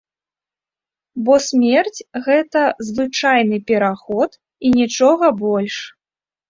Бо смерць, гэта звычайны пераход і нічога больш.